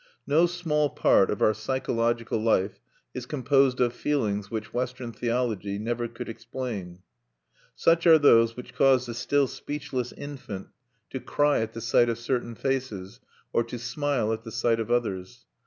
No small part of our psychological life is composed of feelings which Western theology never could explain. Such are those which cause the still speechless infant to cry at the sight of certain faces, or to smile at the sight of others.